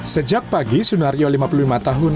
sejak pagi sunario lima puluh lima tahun